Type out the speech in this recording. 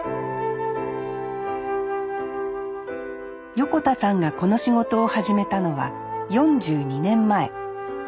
横田さんがこの仕事を始めたのは４２年前。